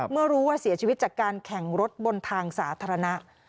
เมื่อรู้ว่าเสียชีวิตจากการแข่งรถบนทางสาธารณะ